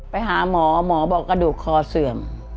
ไปหาหมอหมอบอกกระดูกคอเสื่อม